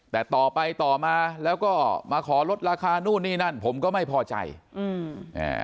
แต่ต่อไปต่อมาแล้วก็มาขอลดราคานู่นนี่นั่นผมก็ไม่พอใจอืมอ่า